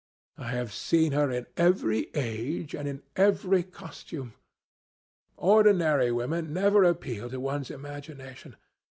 I have seen her in every age and in every costume. Ordinary women never appeal to one's imagination.